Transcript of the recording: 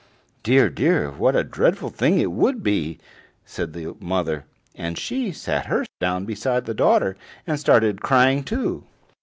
"Dear, dear! what a dreadful thing it would be!" said the mother, and she sat her down beside the daughter and started crying too.